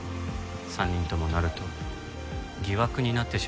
３人ともなると疑惑になってしまいます。